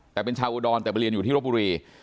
แต่เป็นชาวอุดรแต่ไปเรียนอยู่ที่รบบุรี